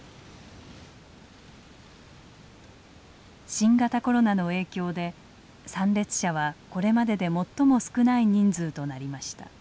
新型コロナの影響で参列者はこれまでで最も少ない人数となりました。